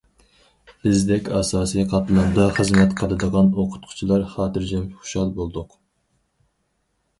بىزدەك ئاساسىي قاتلامدا خىزمەت قىلىدىغان ئوقۇتقۇچىلار خاتىرجەم، خۇشال بولدۇق.